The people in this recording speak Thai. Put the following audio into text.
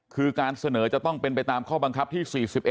คือการเสนอจะต้องเป็นไปตามข้อบังคับที่๔๑